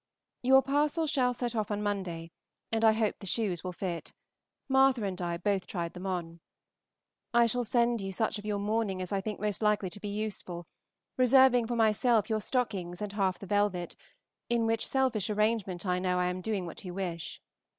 Your parcel shall set off on Monday, and I hope the shoes will fit; Martha and I both tried them on. I shall send you such of your mourning as I think most likely to be useful, reserving for myself your stockings and half the velvet, in which selfish arrangement I know I am doing what you wish.